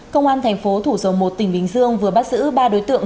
công an thành phố thủ dầu một tỉnh bình dương vừa bắt giữ ba đối tượng